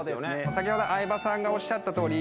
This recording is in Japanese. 先ほど相葉さんがおっしゃったとおり。